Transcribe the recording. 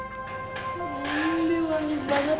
ih ini wangi banget